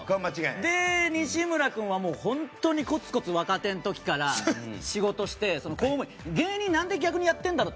で、西村君は本当にコツコツ、若手の時から仕事して、芸人なんで逆にやってるんだろって。